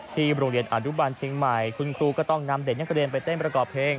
ที่โรงเรียนอาทิบันชิงใหม่คุณครูก็ต้องนำเด็กนี้กระเด็นไปเต้นไประกอบเพลง